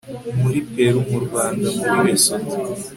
muri peru, mu rwanda, muri lesoto